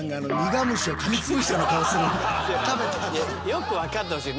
よく分かってほしい。